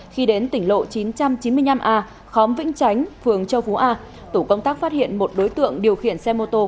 khi đến tỉnh lộ chín trăm chín mươi năm a khóm vĩnh chánh phường châu phú a tổ công tác phát hiện một đối tượng điều khiển xe mô tô